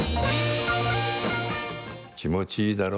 気持ちいいだろ？